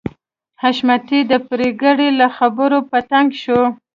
حشمتي د پريګلې له خبرو په تنګ شو